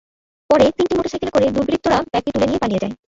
পরে তিনটি মোটরসাইকেলে করে দুর্বৃত্তরা এসে ব্যাগটি তুলে নিয়ে পালিয়ে যায়।